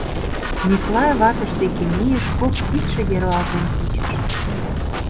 Миклай ватыж деке мийыш, кок кидшыге руалтен кучыш.